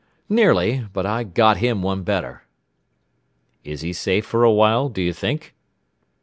"Nearly. But I guess I 'got him' one better." "Is he safe for awhile, do you think?"